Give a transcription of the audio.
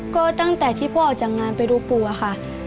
ก็ตั้งแต่ที่พ่อออกจากงานไปดูปู่อะค่ะ